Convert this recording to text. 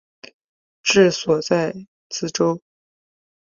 治所在梓州。